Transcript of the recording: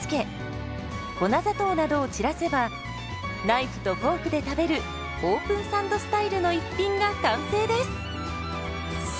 ナイフとフォークで食べるオープンサンドスタイルの一品が完成です。